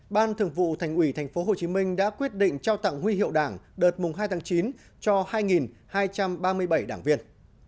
ban thường vụ thành ủy tp hcm đã quyết định trao tặng huy hiệu đảng đợt hai tháng chín cho hai hai trăm ba mươi bảy đảng viên